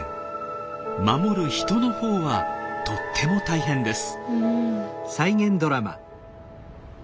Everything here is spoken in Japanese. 守る人のほうはとっても大変です。